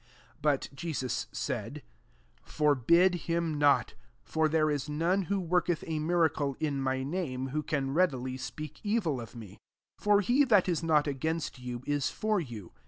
''3 39 But Jesus said, <' Forbid him not : for there is none who workeUi a miracle in my name, who can readily speak evil of me. 40 For he that is not against you, is for you.